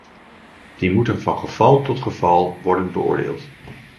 Die moeten van geval tot geval worden beoordeeld.